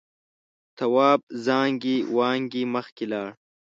تواب زانگې وانگې مخکې لاړ.